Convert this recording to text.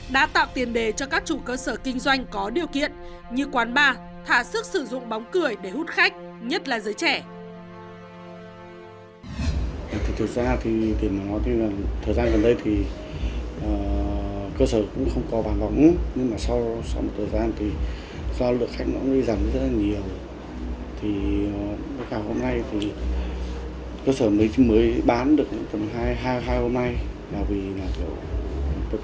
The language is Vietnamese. đã tạo tiền đề cho các chủ cơ sở kinh doanh có điều kiện như quán bar thả sức sử dụng bóng cười để hút khách nhất là giới trẻ